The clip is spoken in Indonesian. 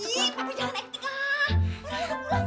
iya tapi jangan aktif ah